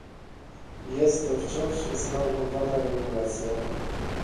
Jest to wciąż zmarnowana regulacja